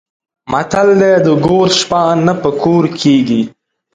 متل دی: د ګور شپه نه په کور کېږي.